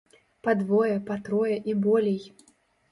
Па двое, па трое і болей.